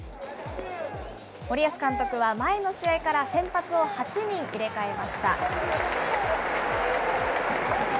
森保監督は、前の試合から先発を８人入れ替えました。